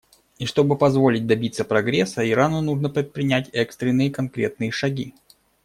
И чтобы позволить добиться прогресса, Ирану нужно предпринять экстренные конкретные шаги.